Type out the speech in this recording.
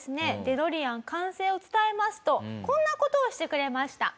デロリアン完成を伝えますとこんな事をしてくれました。